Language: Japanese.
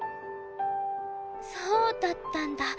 そうだったんだ。